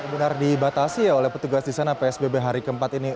benar dibatasi oleh petugas di sana psbb hari keempat ini